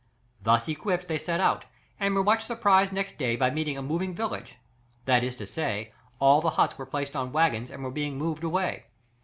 Thus equipped they set out and were much surprised next day by meeting a moving village; that is to say, all the huts were placed on waggons and were being moved away.